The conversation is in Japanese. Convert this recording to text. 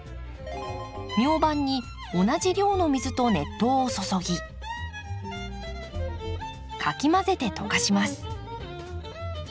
ミョウバンに同じ量の水と熱湯を注ぎかき混ぜて溶かします。